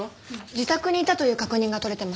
自宅にいたという確認が取れてます。